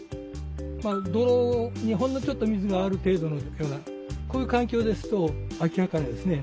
まあ泥にほんのちょっと水がある程度のようなこういう環境ですとアキアカネですね